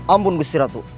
amun gusti ratu